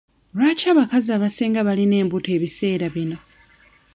Lwaki abakazi abasinga balina embuto ebiseera bino?